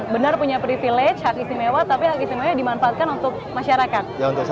benar punya privilege hak istimewa